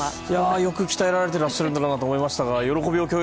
よく鍛えてらっしゃるんだなあと思いました。